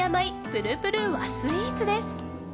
ぷるぷる和スイーツです。